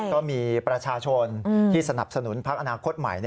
ก็มีประชาชนที่สนับสนุนพักอนาคตใหม่